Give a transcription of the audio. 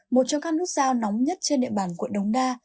một trong các nút giao nóng nhất trên địa bàn quận đống đa